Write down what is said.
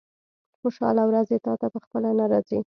خوشاله ورځې تاته په خپله نه راځي.